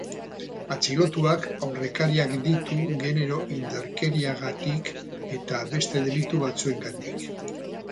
Atxilotuak aurrekariak ditu genero indarkeriagatik eta beste delitu batzuengatik.